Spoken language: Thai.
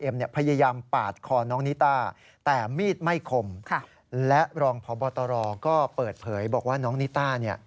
มีดไม่คมและรองพบตรก็เปิดเผยบอกว่าน้องนิตตา